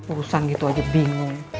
urusan gitu aja bingung